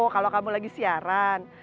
kalau kamu lagi siaran